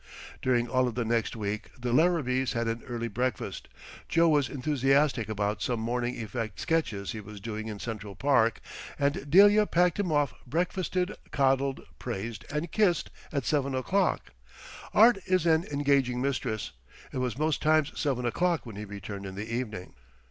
During all of the next week the Larrabees had an early breakfast. Joe was enthusiastic about some morning effect sketches he was doing in Central Park, and Delia packed him off breakfasted, coddled, praised and kissed at 7 o'clock. Art is an engaging mistress. It was most times 7 o'clock when he returned in the evening.